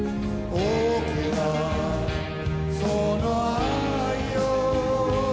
「大きなその愛よ」